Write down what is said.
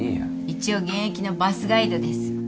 一応現役のバスガイドです。